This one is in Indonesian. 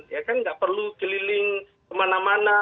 ya kan nggak perlu keliling kemana mana